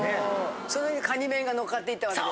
その上にカニ面がのっかっていったわけですね。